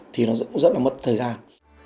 thì nó cũng rất là mất thời gian